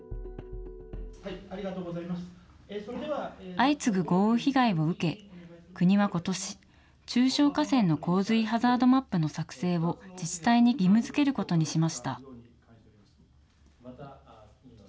相次ぐ豪雨被害を受け、国はことし、中小河川の洪水ハザードマップの作成を、自治体に義務づけることにしました。